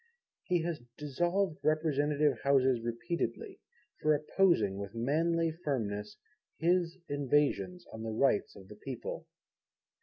He has dissolved Representative Houses repeatedly, for opposing with manly firmness his invasions on the rights of the people.